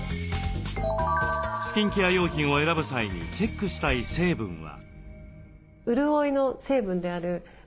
スキンケア用品を選ぶ際にチェックしたい成分は？